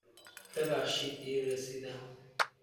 ببخشید دیر رسیدم.